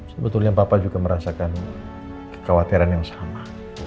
sebetulnya bapak juga merasakan kekhawatiran yang sama